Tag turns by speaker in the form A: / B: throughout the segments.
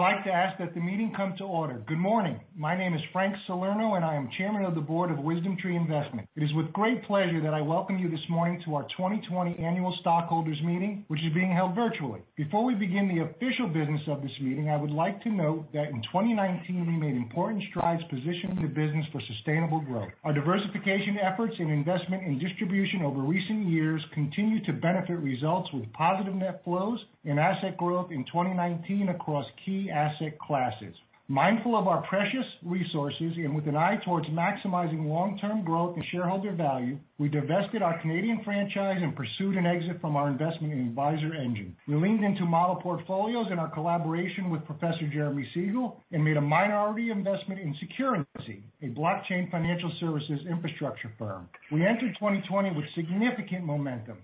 A: I'd like to ask that the meeting come to order. Good morning. My name is Frank Salerno, and I am Chairman of the Board of WisdomTree Investments. It is with great pleasure that I welcome you this morning to our 2020 annual stockholders meeting, which is being held virtually. Before we begin the official business of this meeting, I would like to note that in 2019, we made important strides positioning the business for sustainable growth. Our diversification efforts in investment and distribution over recent years continue to benefit results with positive net flows and asset growth in 2019 across key asset classes. Mindful of our precious resources and with an eye towards maximizing long-term growth and shareholder value, we divested our Canadian franchise and pursued an exit from our investment in AdvisorEngine. We leaned into model portfolios in our collaboration with Professor Jeremy Siegel and made a minority investment in Securrency, a blockchain financial services infrastructure firm.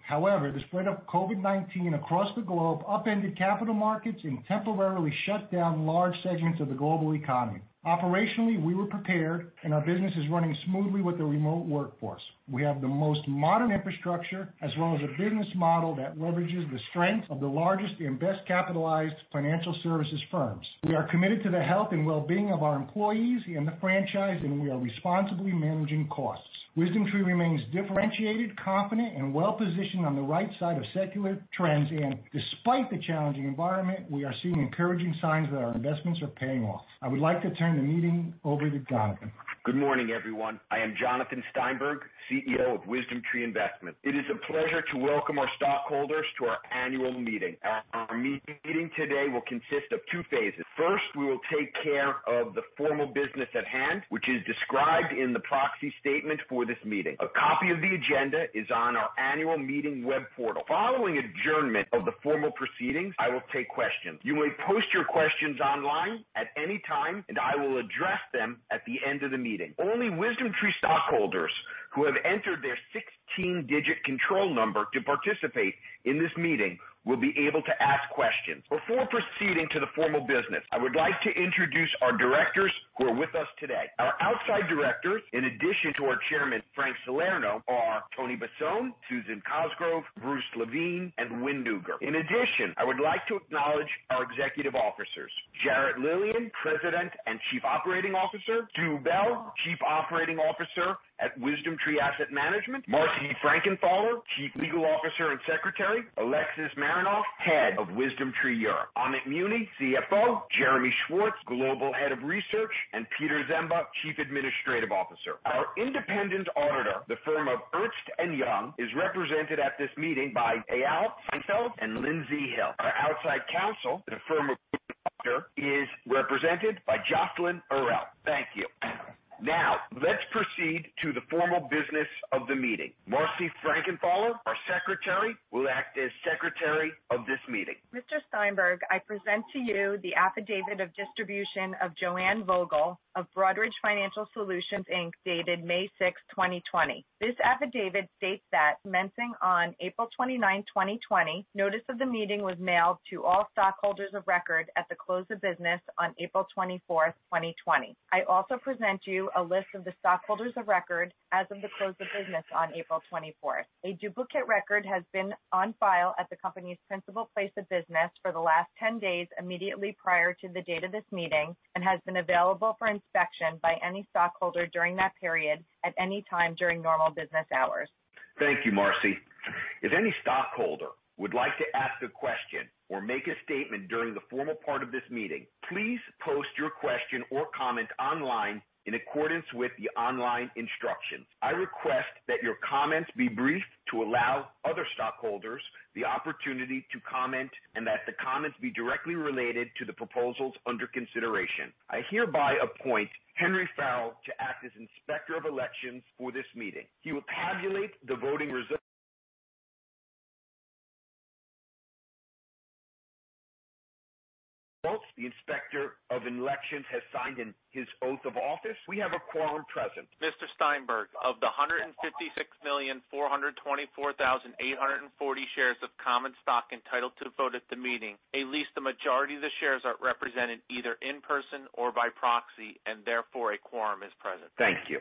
A: However, the spread of COVID-19 across the globe upended capital markets and temporarily shut down large segments of the global economy. Operationally, we were prepared, and our business is running smoothly with a remote workforce. We have the most modern infrastructure, as well as a business model that leverages the strength of the largest and best-capitalized financial services firms. We are committed to the health and well-being of our employees and the franchise, and we are responsibly managing costs. WisdomTree remains differentiated, confident, and well-positioned on the right side of secular trends, and despite the challenging environment, we are seeing encouraging signs that our investments are paying off. I would like to turn the meeting over to Jonathan.
B: Good morning, everyone. I am Jonathan Steinberg, CEO of WisdomTree Investments. It is a pleasure to welcome our stockholders to our annual meeting. Our meeting today will consist of two phases. First, we will take care of the formal business at hand, which is described in the proxy statement for this meeting. A copy of the agenda is on our annual meeting web portal. Following adjournment of the formal proceedings, I will take questions. You may post your questions online at any time, and I will address them at the end of the meeting. Only WisdomTree stockholders who have entered their 16-digit control number to participate in this meeting will be able to ask questions. Before proceeding to the formal business, I would like to introduce our directors who are with us today. Our outside directors, in addition to our Chairman, Frank Salerno, are Tony Bossone, Susan Cosgrove, Bruce Lavine, and Win Neuger. I would like to acknowledge our Executive Officers. Jarrett Lilien, President and Chief Operating Officer. Stu Bell, Chief Operating Officer at WisdomTree Asset Management. Marci Frankenthaler, Chief Legal Officer and Secretary. Alexis Marinof, Head of WisdomTree Europe. Amit Muni, CFO. Jeremy Schwartz, Global Head of Research, and Peter Ziemba, Chief Administrative Officer. Our independent auditor, the firm of Ernst & Young, is represented at this meeting by Eyal Seinfeld and Lindsay Hill. Our outside counsel is represented by Jocelyn Arel. Thank you. Let's proceed to the formal business of the meeting. Marci Frankenthaler, our secretary, will act as secretary of this meeting.
C: Mr. Steinberg, I present to you the affidavit of distribution of Joanne Vogel of Broadridge Financial Solutions, Inc., dated May 6, 2020. This affidavit states that commencing on April 29, 2020, notice of the meeting was mailed to all stockholders of record at the close of business on April 24, 2020. I also present you a list of the stockholders of record as of the close of business on April 24th. A duplicate record has been on file at the company's principal place of business for the last 10 days immediately prior to the date of this meeting and has been available for inspection by any stockholder during that period at any time during normal business hours.
B: Thank you, Marci. If any stockholder would like to ask a question or make a statement during the formal part of this meeting, please post your question or comment online in accordance with the online instructions. I request that your comments be brief to allow other stockholders the opportunity to comment and that the comments be directly related to the proposals under consideration. I hereby appoint Henry Fell to act as Inspector of Elections for this meeting. He will tabulate the voting results. The Inspector of Elections has signed his oath of office. We have a quorum present.
D: Mr. Steinberg, of the 156,424,840 shares of common stock entitled to vote at the meeting, at least the majority of the shares are represented either in person or by proxy, and therefore, a quorum is present.
B: Thank you.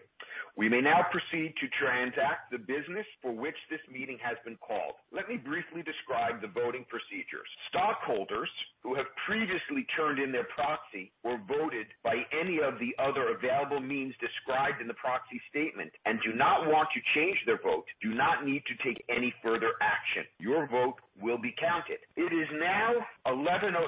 B: We may now proceed to transact the business for which this meeting has been called. Let me briefly describe the voting procedures. Stockholders who have previously turned in their proxy or voted by any of the other available means described in the proxy statement and do not want to change their vote do not need to take any further action. Your vote will be counted. It is now 11:06 A.M.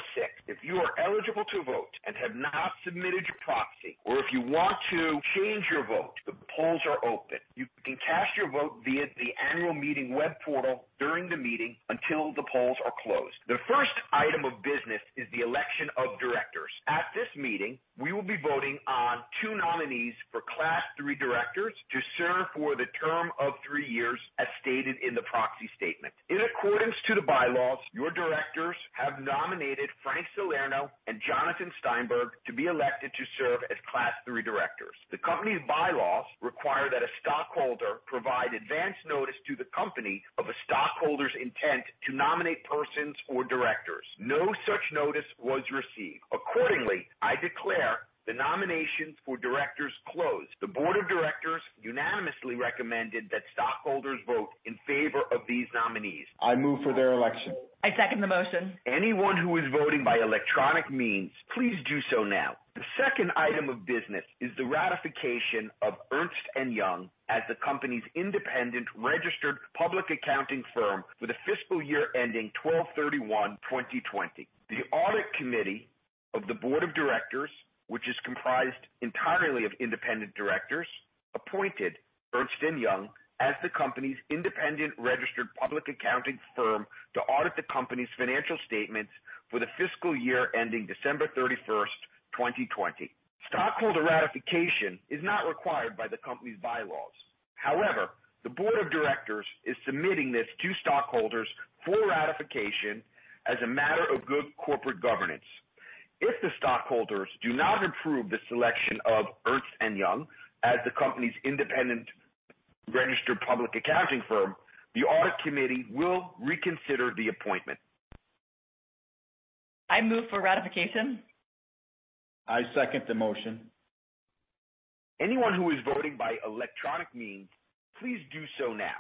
B: If you are eligible to vote and have not submitted your proxy, or if you want to change your vote, the polls are open. You can cast your vote via the annual meeting web portal during the meeting until the polls are closed. The first item of business is the election of directors. At this meeting, we will be voting on two nominees for Class III directors to serve for the term of three years as stated in the proxy statement. In accordance to the bylaws, your directors have nominated Frank Salerno and Jonathan Steinberg to be elected to serve as Class III directors. The company's bylaws require that a stockholder provide advance notice to the company of a stockholder's intent to nominate persons for directors. No such notice was received. Declare the nominations for directors closed. The board of directors unanimously recommended that stockholders vote in favor of these nominees.
A: I move for their election.
C: I second the motion.
B: Anyone who is voting by electronic means, please do so now. The second item of business is the ratification of Ernst & Young as the company's independent registered public accounting firm for the fiscal year ending 12/31/2020. The audit committee of the board of directors, which is comprised entirely of independent directors, appointed Ernst & Young as the company's independent registered public accounting firm to audit the company's financial statements for the fiscal year ending December 31st, 2020. Stockholder ratification is not required by the company's bylaws. The board of directors is submitting this to stockholders for ratification as a matter of good corporate governance. If the stockholders do not approve the selection of Ernst & Young as the company's independent registered public accounting firm, the audit committee will reconsider the appointment.
C: I move for ratification.
A: I second the motion.
B: Anyone who is voting by electronic means, please do so now.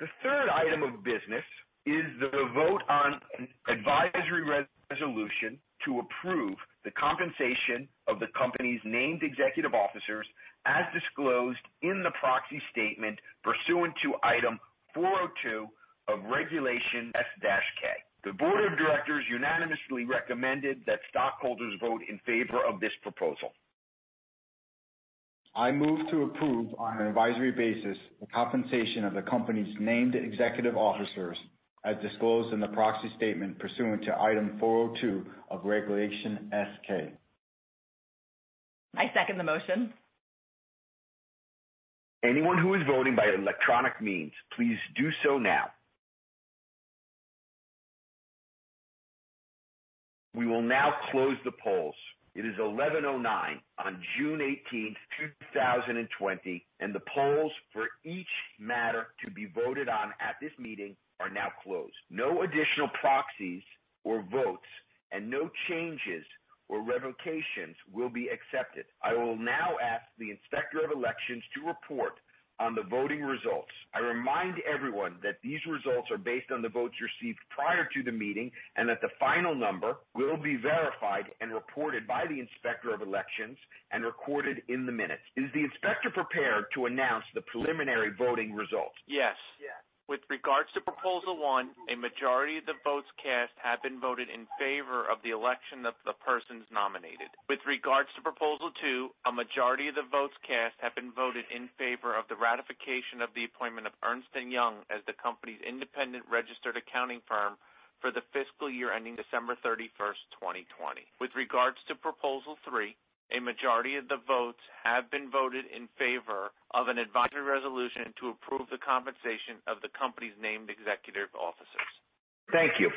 B: The third item of business is the vote on an advisory resolution to approve the compensation of the company's named executive officers as disclosed in the proxy statement pursuant to Item 402 of Regulation S-K. The board of directors unanimously recommended that stockholders vote in favor of this proposal.
A: I move to approve on an advisory basis the compensation of the company's named executive officers as disclosed in the proxy statement pursuant to Item 402 of Regulation S-K.
C: I second the motion.
B: Anyone who is voting by electronic means, please do so now. We will now close the polls. It is 11:09 on June 18th, 2020, and the polls for each matter to be voted on at this meeting are now closed. No additional proxies or votes and no changes or revocations will be accepted. I will now ask the Inspector of Elections to report on the voting results. I remind everyone that these results are based on the votes received prior to the meeting, and that the final number will be verified and reported by the Inspector of Elections and recorded in the minutes. Is the Inspector prepared to announce the preliminary voting results?
D: Yes. With regards to proposal one, a majority of the votes cast have been voted in favor of the election of the persons nominated. With regards to proposal two, a majority of the votes cast have been voted in favor of the ratification of the appointment of Ernst & Young as the company's independent registered accounting firm for the fiscal year ending December 31st, 2020. With regards to proposal three, a majority of the votes have been voted in favor of an advisory resolution to approve the compensation of the company's named executive officers.
B: Thank you.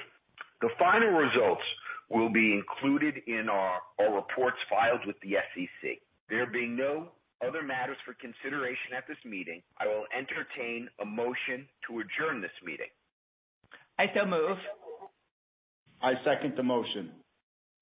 B: The final results will be included in our reports filed with the SEC. There being no other matters for consideration at this meeting, I will entertain a motion to adjourn this meeting.
C: I so move.
A: I second the motion.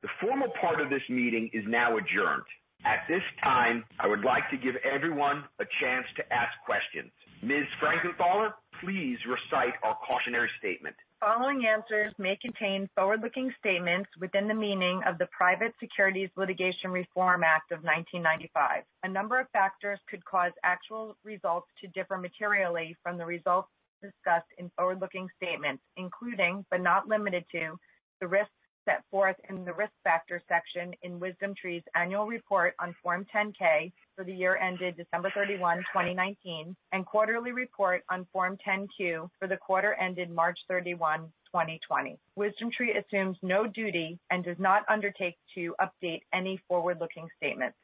B: The formal part of this meeting is now adjourned. At this time, I would like to give everyone a chance to ask questions. Ms. Frankenthaler, please recite our cautionary statement.
C: The following answers may contain forward-looking statements within the meaning of the Private Securities Litigation Reform Act of 1995. A number of factors could cause actual results to differ materially from the results discussed in forward-looking statements, including, but not limited to, the risks set forth in the Risk Factors section in WisdomTree's annual report on Form 10-K for the year ended December 31, 2019, and quarterly report on Form 10-Q for the quarter ended March 31, 2020. WisdomTree assumes no duty and does not undertake to update any forward-looking statements.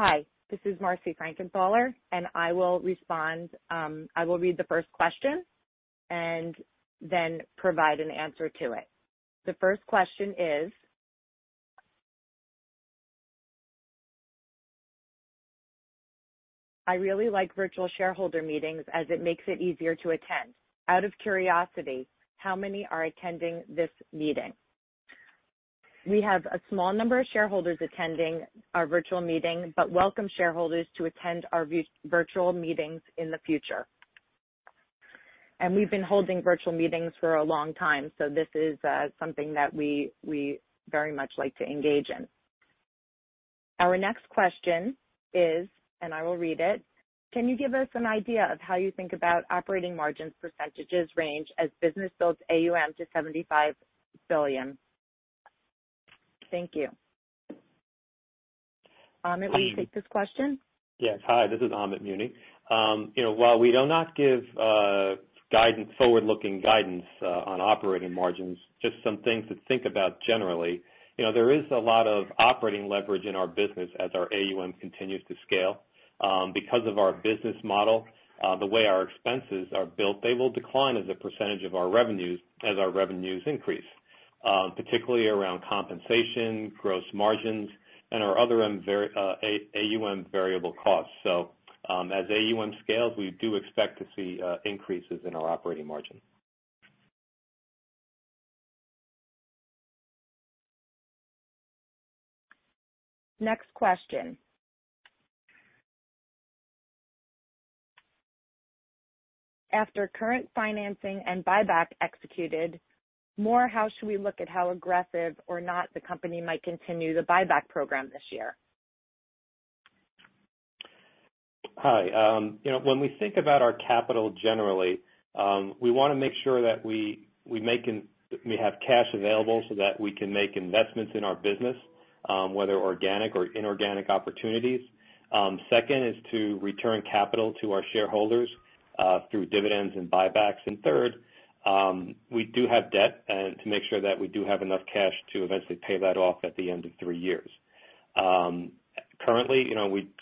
C: Hi, this is Marci Frankenthaler, and I will read the first question and then provide an answer to it. The first question is, I really like virtual shareholder meetings as it makes it easier to attend. Out of curiosity, how many are attending this meeting? We have a small number of shareholders attending our virtual meeting, but welcome shareholders to attend our virtual meetings in the future. We've been holding virtual meetings for a long time, so this is something that we very much like to engage in. Our next question is, and I will read it: Can you give us an idea of how you think about operating margins percentages range as business builds AUM to $75 billion? Thank you. Amit, will you take this question?
E: Yes. Hi, this is Amit Muni. While we do not give forward-looking guidance on operating margins, just some things to think about generally. There is a lot of operating leverage in our business as our AUM continues to scale. Because of our business model, the way our expenses are built, they will decline as a percentage of our revenues as our revenues increase. Particularly around compensation, gross margins, and our other AUM variable costs. As AUM scales, we do expect to see increases in our operating margin.
C: Next question. After current financing and buyback executed, more how should we look at how aggressive or not the company might continue the buyback program this year?
E: Hi. When we think about our capital generally, we want to make sure that we have cash available so that we can make investments in our business, whether organic or inorganic opportunities. Second is to return capital to our shareholders, through dividends and buybacks. Third, we do have debt, and to make sure that we do have enough cash to eventually pay that off at the end of three years. Currently,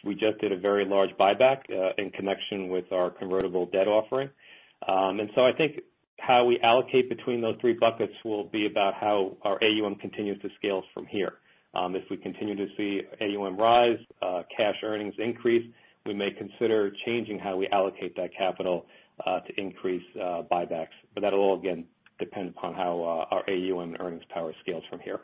E: we just did a very large buyback, in connection with our convertible debt offering. I think how we allocate between those three buckets will be about how our AUM continues to scale from here. If we continue to see AUM rise, cash earnings increase, we may consider changing how we allocate that capital to increase buybacks. That'll all again depend upon how our AUM earnings power scales from here.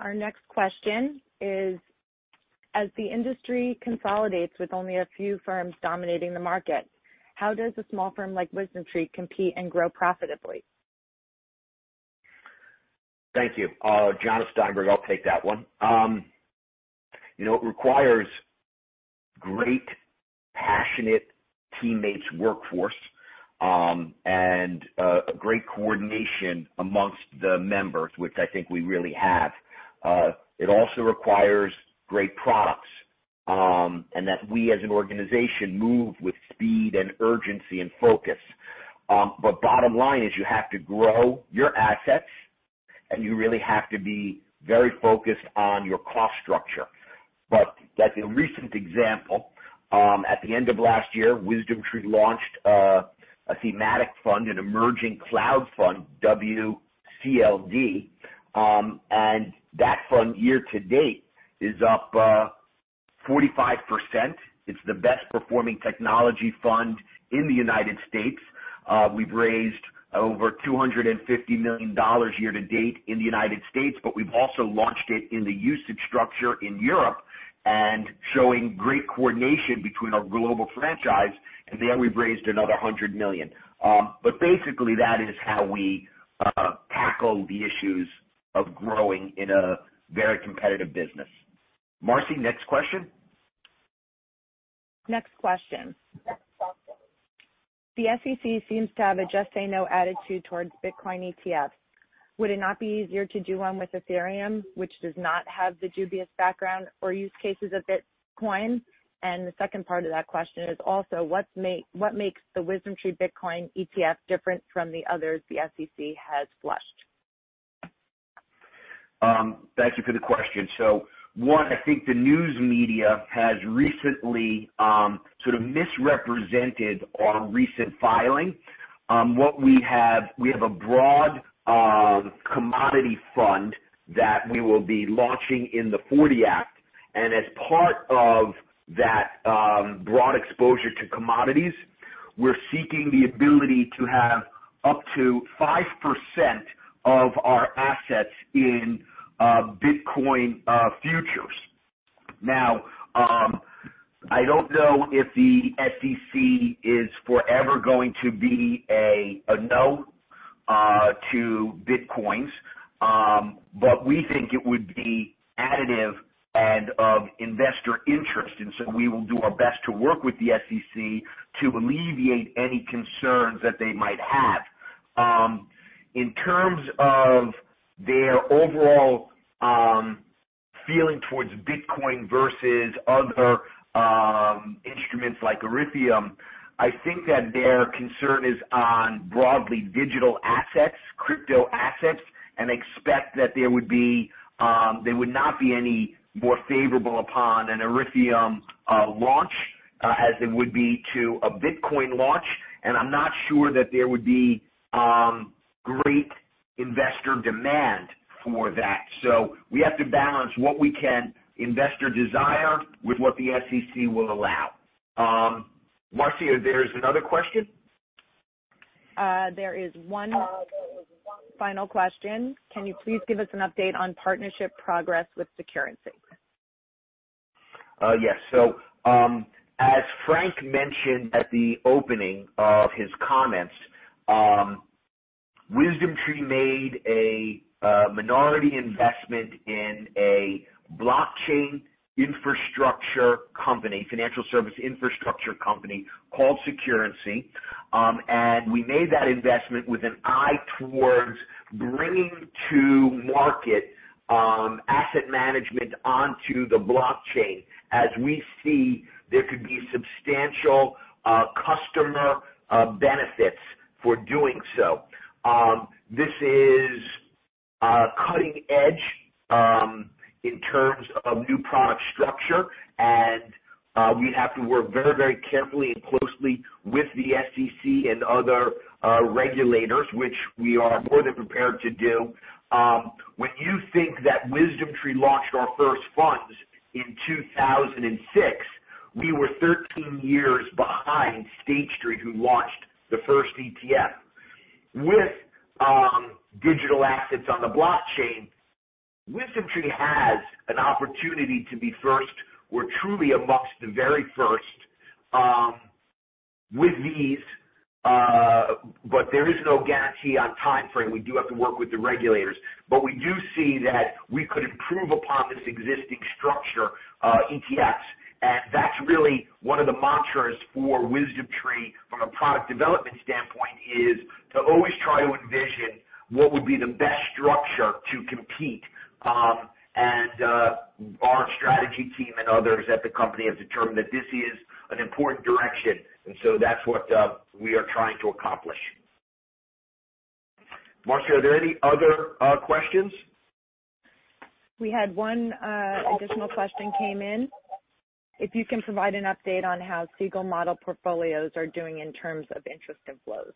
C: Our next question is: As the industry consolidates with only a few firms dominating the market, how does a small firm like WisdomTree compete and grow profitably?
B: Thank you. Jon Steinberg. I'll take that one. It requires great, passionate teammates workforce, and a great coordination amongst the members, which I think we really have. It also requires great products, and that we as an organization move with speed and urgency and focus. Bottom line is you have to grow your assets, and you really have to be very focused on your cost structure. As a recent example, at the end of last year, WisdomTree launched a thematic fund, an emerging cloud fund, WCLD. That fund year to date is up 45%. It's the best performing technology fund in the U.S. We've raised over $250 million year to date in the U.S., but we've also launched it in the UCITS structure in Europe, and showing great coordination between our global franchise, and there we've raised another $100 million. Basically, that is how we tackle the issues of growing in a very competitive business. Marci, next question.
C: Next question. The SEC seems to have a just say no attitude towards Bitcoin ETFs. Would it not be easier to do one with Ethereum, which does not have the dubious background or use cases of Bitcoin? The second part of that question is also, what makes the WisdomTree Bitcoin ETF different from the others the SEC has flushed?
B: Thank you for the question. One, I think the news media has recently sort of misrepresented our recent filing. We have a broad commodity fund that we will be launching in the '40 Act. As part of that broad exposure to commodities, we're seeking the ability to have up to 5% of our assets in Bitcoin futures. I don't know if the SEC is forever going to be a no to Bitcoins, we think it would be additive and of investor interest, we will do our best to work with the SEC to alleviate any concerns that they might have. In terms of their overall feeling towards Bitcoin versus other instruments like Ethereum, I think that their concern is on broadly digital assets, crypto assets, and expect that they would not be any more favorable upon an Ethereum launch as it would be to a Bitcoin launch. I'm not sure that there would be great investor demand for that. We have to balance what we can, investor desire, with what the SEC will allow. Marci, there's another question?
C: There is one final question. Can you please give us an update on partnership progress with Securrency?
B: Yes. As Frank mentioned at the opening of his comments, WisdomTree made a minority investment in a blockchain infrastructure company, financial service infrastructure company, called Securrency. We made that investment with an eye towards bringing to market asset management onto the blockchain, as we see there could be substantial customer benefits for doing so. This is cutting-edge in terms of new product structure, and we have to work very carefully and closely with the SEC and other regulators, which we are more than prepared to do. When you think that WisdomTree launched our first funds in 2006, we were 13 years behind State Street, who launched the first ETF. With digital assets on the blockchain, WisdomTree has an opportunity to be first. We're truly amongst the very first with these, but there is no guarantee on timeframe. We do have to work with the regulators. We do see that we could improve upon this existing structure, ETFs. That's really one of the mantras for WisdomTree from a product development standpoint, is to always try to envision what would be the best structure to compete. Our strategy team and others at the company have determined that this is an important direction, and so that's what we are trying to accomplish. Marci, are there any other questions?
C: We had one additional question came in. If you can provide an update on how Siegel Model Portfolios are doing in terms of interest and flows.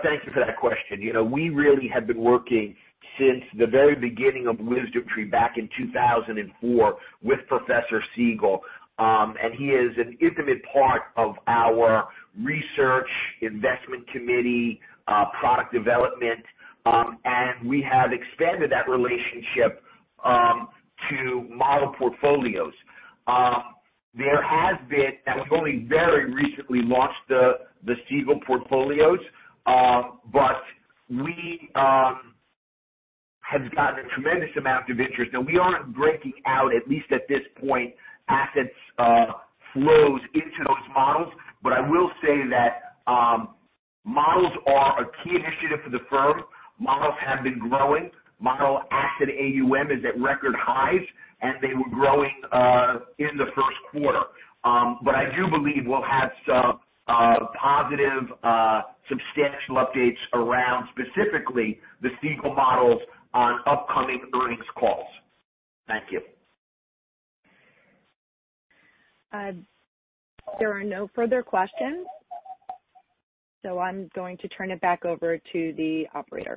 B: Thank you for that question. We really have been working since the very beginning of WisdomTree back in 2004 with Professor Siegel. He is an intimate part of our research, investment committee, product development, and we have expanded that relationship to model portfolios. We've only very recently launched the Siegel Portfolios. We have gotten a tremendous amount of interest. We aren't breaking out, at least at this point, assets flows into those models. I will say that models are a key initiative for the firm. Models have been growing. Model asset AUM is at record highs, and they were growing in the first quarter. I do believe we'll have some positive, substantial updates around, specifically the Siegel models, on upcoming earnings calls. Thank you.
C: There are no further questions, so I'm going to turn it back over to the operator.